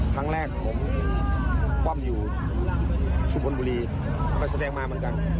ครั้งแรกผมคว่ำอยู่สุพรบุรีไปแสดงมาเหมือนกัน